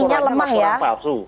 dan dalam laporannya laporan palsu